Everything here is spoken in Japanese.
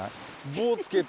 棒付けて。